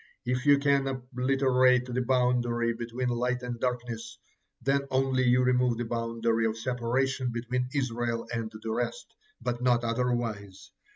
If you can obliterate the boundary between light and darkness, then only you remove the boundary of separation between Israel and the rest, but not otherwise.